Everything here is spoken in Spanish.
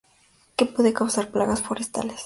Que puede causar plagas forestales.